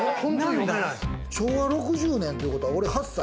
昭和６０年ってことは俺８歳